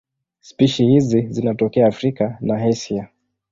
Spishi hizi zinatokea Afrika na Asia.